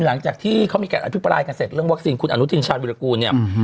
หลังจากที่เขามีการอภิปรายกันเสร็จเรื่องวัคซีนคุณอนุทินชาญวิรากูลเนี่ย